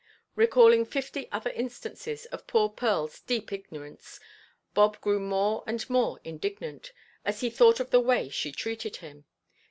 Recalling fifty other instances of poor Pearlʼs deep ignorance, Bob grew more and more indignant, as he thought of the way she treated him.